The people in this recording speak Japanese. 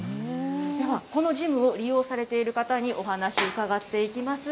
では、このジムを利用されている方にお話伺っていきます。